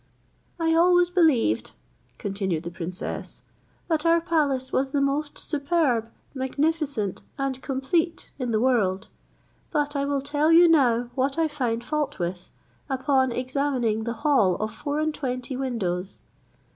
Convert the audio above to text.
"I always believed," continued the princess," that our palace was the most superb, magnificent, and complete in the world: but I will tell you now what I find fault with, upon examining the hall of four and twenty windows.